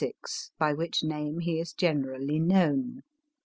sex, by yhich name he is generally known.